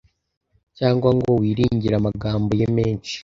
cyangwa ngo wiringire amagambo ye menshi